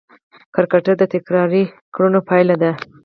کرکټر د تکراري کړنو پایله ده.